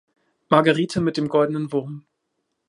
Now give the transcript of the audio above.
Margarethe mit dem goldenen Wurm.